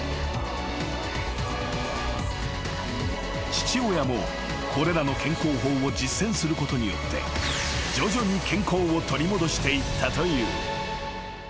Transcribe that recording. ［父親もこれらの健康法を実践することによって徐々に健康を取り戻していったという］